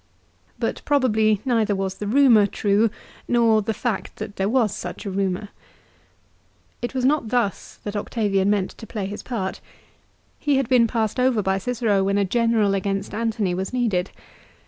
But probably neither was the rumour true, nor the fact that there was such a rumour. It was not thus that Octavian meant to play his part. He had been^ passed over by Cicero when a general against Antony was needed.